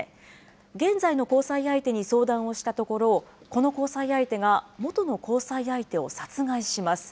現在の交際相手に相談をしたところ、この交際相手が元の交際相手を殺害します。